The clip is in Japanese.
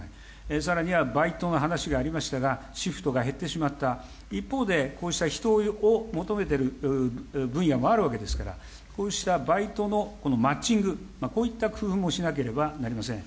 さらにはバイトの話がありましたが、シフトが減ってしまった、一方で、こうした人を求めてる分野もあるわけですから、こうしたバイトのマッチング、こういった工夫もしなければなりません。